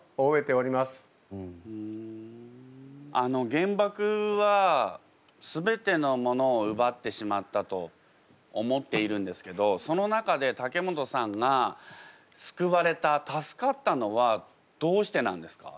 原爆は全てのものをうばってしまったと思っているんですけどその中で竹本さんがすくわれた助かったのはどうしてなんですか？